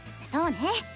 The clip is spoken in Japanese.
そうね。